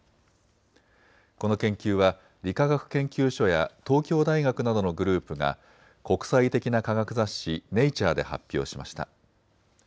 この研究は理化学研究所や東京大学などのグループが国際的な科学雑誌、ネイチャーで発表しました。